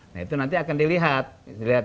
nah itu nanti akan dilihat